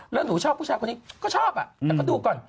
แล้วหนูชอบผู้ชายคนนี้ก็ชอบแต่ก็ดูก่อน